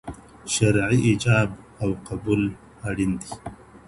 شرعي ايجاب او قبول اړين دی.